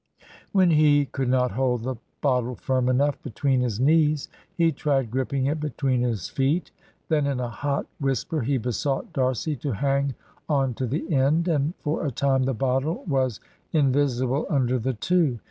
When he could not hold the bottle firm enough between his knees, he tried gripping it between his feet. Then in a hot whisper he besought D'Arcy to hang on to the end, and for a time the bottle was invisible under the two.